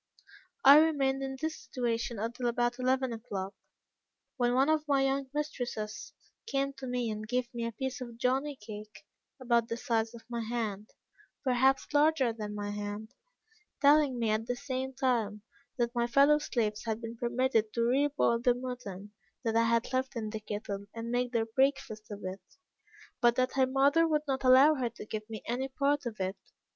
"I remained in this situation until about eleven o'clock, when one of my young mistresses came to me and gave me a piece of jonny cake about the size of my hand, perhaps larger than my hand, telling me at the same time, that my fellow slaves had been permitted to re boil the mutton that I had left in the kettle, and make their breakfast of it, but that her mother would not allow her to give me any part of it.